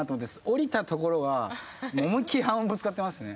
おりたところはもう思いっ切り半音ぶつかってますね。